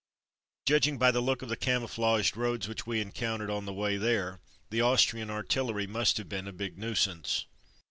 Judging by the look of the camouflaged roads which we encountered on the way there, the Austrian artillery must have been a big nuisance.